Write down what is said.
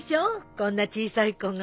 こんな小さい子が。